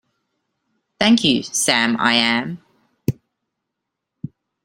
Thank you, Sam-I-am.